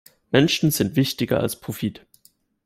Menschen sind wichtiger als Profit.